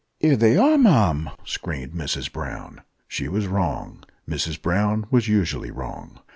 "Here they are, ma'am!" screamed Mrs Brown. She was wrong. Mrs Brown was usually wrong.